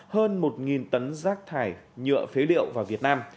hơn một tấn rác thải nhựa phế liệu vào việt nam